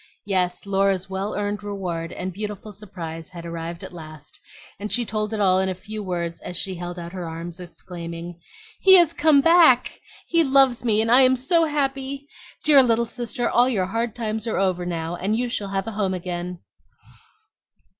Yes, Laura's well earned reward and beautiful surprise had arrived at last; and she told it all in a few words as she held out her arms exclaiming, "He has come back! He loves me, and I am so happy! Dear little sister, all your hard times are over now, and you shall have a home again."